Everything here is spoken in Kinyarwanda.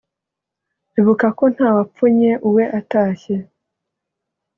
Ibuka ko nta wapfunye uwe atashye !